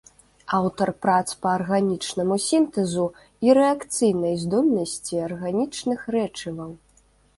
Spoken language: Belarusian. Аўтар прац па арганічнаму сінтэзу і рэакцыйнай здольнасці арганічных рэчываў.